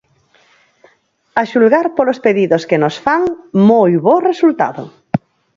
A xulgar polos pedidos que nos fan, moi bo resultado.